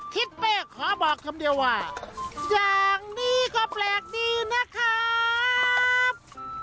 ทิศเป้ขอบอกคำเดียวว่าอย่างนี้ก็แปลกดีนะครับ